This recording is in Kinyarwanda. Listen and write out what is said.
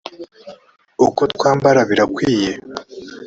uko twambara birakwiye